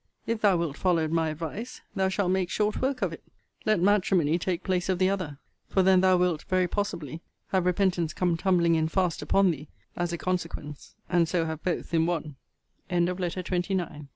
If thou wilt follow my advice, thou shalt make short work of it: let matrimony take place of the other; for then thou wilt, very possibly, have repentance come tumbling in fast upon thee, as a consequence, and s